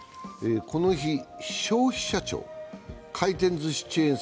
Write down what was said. この日、消費者庁は回転ずしチェーン